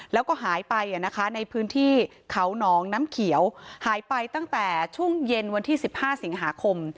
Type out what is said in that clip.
แล้วก็หายไปในพื้นที่เขาหนองน้ำเขียวหายไปตั้งแต่ช่วงเย็นวันที่๑๕สิงหาคม